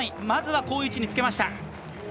まずは好位置につけました。